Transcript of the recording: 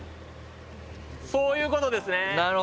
そういうことですね。